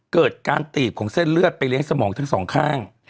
เกิดการตีบของเส้นเลือดไปเลี้ยงสมองทั้งสองข้าง